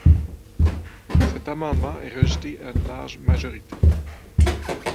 Cet amendement est rejeté à une large majorité.